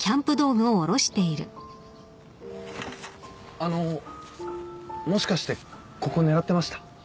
あのもしかしてここ狙ってました？